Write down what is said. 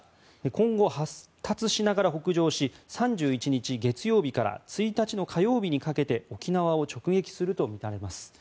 今後、発達しながら北上し３１日月曜日から１日の火曜日にかけて沖縄を直撃するとみられます。